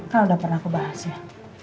kau udah pernah aku bahas ya